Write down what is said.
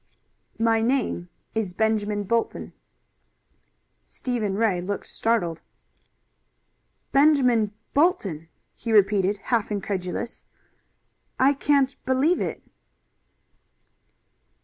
"My name is Benjamin Bolton." Stephen Ray looked startled. "Benjamin Bolton!" he repeated, half incredulous. "I can't believe it."